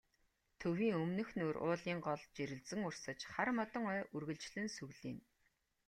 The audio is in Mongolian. Төвийн өмнөхнүүр уулын гол жирэлзэн урсаж, хар модон ой үргэлжлэн сүглийнэ.